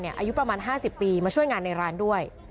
อายุประมาณ๕๐ปีมาช่วยงานในร้านด้วย